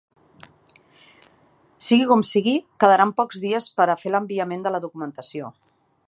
Sigui com sigui, quedaran pocs dies per a fer l’enviament de la documentació.